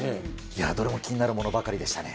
どれも気になるものばかりでしたね。